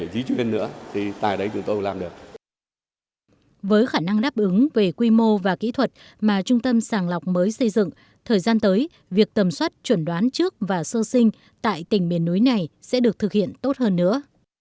đã được xây dựng thời gian tới việc tầm soát truẩn đoán trước và sơ sinh tại tỉnh miền núi này sẽ được thực hiện tốt hơn nữa